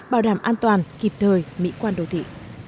bảo đảm an toàn kịp thời mỹ quan đô thị